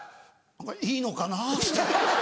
「いいのかな？って」。